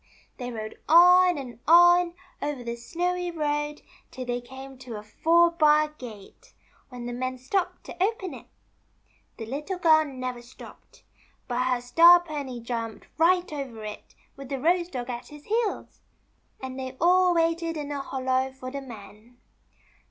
They rode on and on, over the snowy road, till they came to a four bar gate, when the men stopped to open it. The Little Girl never stopped, but her Star pony jumped right over it with the Rose dog at his heels, and they all waited in a hollow for the men.